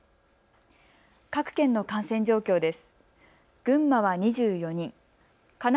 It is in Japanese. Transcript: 各県の感染状況です。